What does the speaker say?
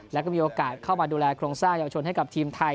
แล้วก็มีโอกาสเข้ามาดูแลโครงสร้างเยาวชนให้กับทีมไทย